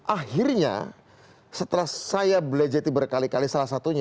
akhirnya setelah saya belajeti berkali kali salah satunya